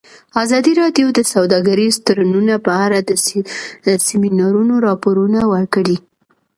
ازادي راډیو د سوداګریز تړونونه په اړه د سیمینارونو راپورونه ورکړي.